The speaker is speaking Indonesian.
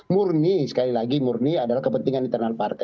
murni sekali lagi murni adalah kepentingan internal partai